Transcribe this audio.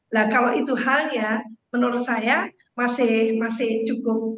nah kalau itu halnya menurut saya masih cukup